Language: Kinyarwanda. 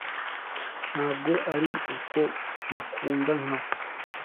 Ntabwo ari uko ntakunda nka we,